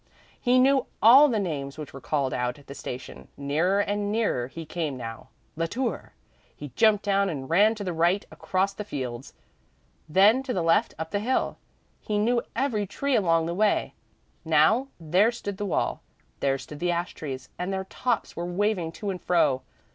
He knew all the names which were called out at the stations; nearer and nearer he came now "La Tour!" He jumped down and ran to the right across the fields, then to the left up the hill. He knew every tree along the way. Now there stood the wall, there stood the ash trees and their tops were waving to and fro.